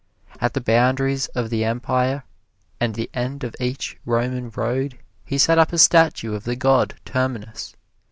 At the boundaries of the Empire and the end of each Roman road he set up a statue of the god Terminus.